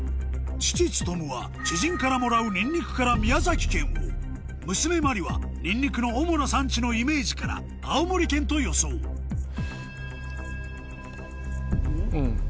父勤は知人からもらうにんにくから宮崎県を娘麻里はにんにくの主な産地のイメージから青森県と予想うん。